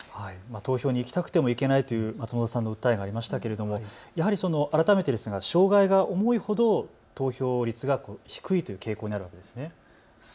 投票に行きたくても行けないという松本さんの訴えありましたけどやはり改めて障害が重いほど投票率が低いという傾向にあるわけですね。